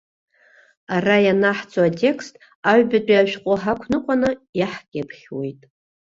Ара ианаҳҵо атекст аҩбатәи ашәҟәы ҳақәныҟәаны иаҳкьыԥхьуеит.